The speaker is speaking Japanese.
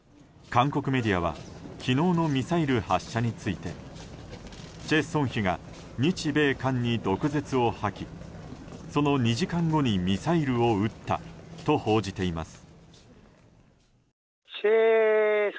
韓国メディアは昨日のミサイル発射についてチェ・ソンヒが日米韓に毒舌を吐きその２時間後にミサイルを撃ったと報じています。